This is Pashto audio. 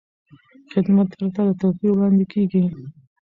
خدمت پرته له توپیر وړاندې کېږي.